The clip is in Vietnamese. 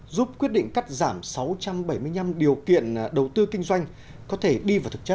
giúp quyết định cắt giảm sáu trăm bảy mươi năm điều kiện đầu tư kinh doanh có thể đi vào thực chất